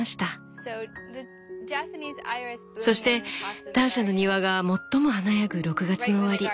そしてターシャの庭が最も華やぐ６月の終わり。